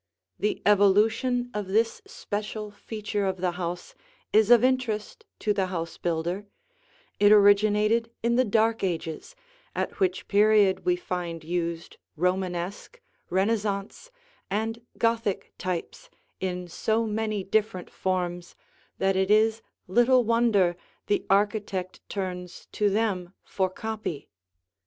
The evolution of this special feature of the house is of interest to the house builder; it originated in the Dark Ages, at which period we find used Romanesque, Renaissance, and Gothic types in so many different forms that it is little wonder the architect turns to them for copy.